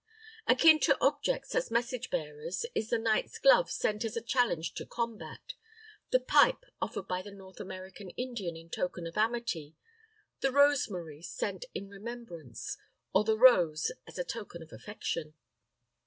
Akin to objects as message bearers, is the knight's glove sent as a challenge to combat, the pipe offered by the North American Indian in token of amity, the rosemary sent in remembrance, or the rose as a token of affection.